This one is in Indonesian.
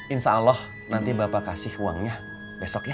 insya allah nanti bapak kasih uangnya besok ya